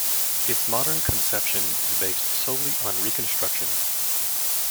Its modern conception is based solely on reconstruction.